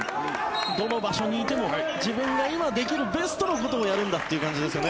どの場所にいても自分が今できるベストのことをやるんだという感じですね。